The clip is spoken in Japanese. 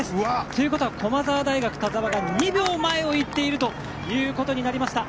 ということは駒澤大学、田澤が２秒前を行っているということになりました。